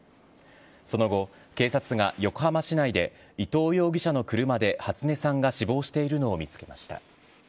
その後、警察が横浜市内で、伊藤容疑者の車で初音さんが死亡しているのを見つけました。